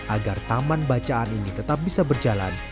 agar taman bacaan ini tetap bisa berjalan